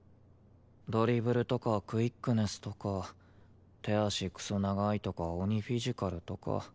ドリブルとかクイックネスとか手足クソ長いとか鬼フィジカルとか。